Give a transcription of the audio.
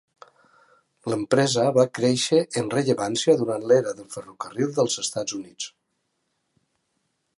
L'empresa va créixer en rellevància durant l'era del ferrocarril dels Estats Units.